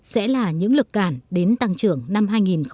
sẽ là những lực cản đến tăng trưởng năm hai nghìn một mươi chín